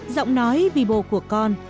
giọng nói vì bồ của con